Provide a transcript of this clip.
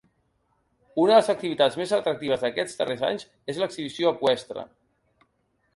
Una de les activitats més atractives d’aquests darrers anys és l’exhibició eqüestre.